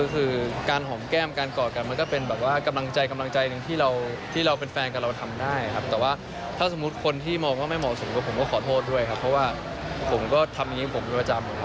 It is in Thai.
คือการหอมแก้มการกอดกันมันก็เป็นแบบว่ากำลังใจกำลังใจหนึ่งที่เราที่เราเป็นแฟนกันเราทำได้ครับแต่ว่าถ้าสมมุติคนที่มองว่าไม่เหมาะสมก็ผมก็ขอโทษด้วยครับเพราะว่าผมก็ทำอย่างนี้ผมเป็นประจำ